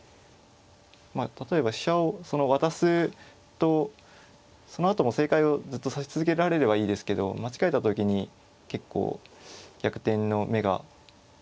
例えば飛車を渡すとそのあとも正解をずっと指し続けられればいいですけど間違えた時に結構逆転の芽が出てくるというか。